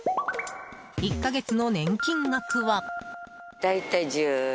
１か月の年金額は。